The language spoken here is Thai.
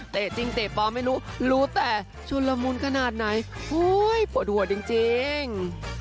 จริงเตะปลอมไม่รู้รู้แต่ชุนละมุนขนาดไหนปวดหัวจริง